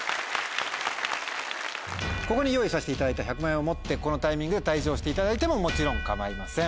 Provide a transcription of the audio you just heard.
ここに用意させていただいた１００万円を持ってこのタイミングで退場していただいてももちろん構いません。